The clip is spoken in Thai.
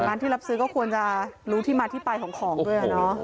แต่ร้านที่รับซื้อก็ควรจะรู้ที่มาที่ไปของของด้วยอ่ะเนอะโอ้โห